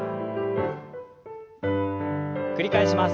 繰り返します。